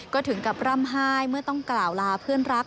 ก็ถึงกับร่ำไห้เมื่อต้องกล่าวลาเพื่อนรัก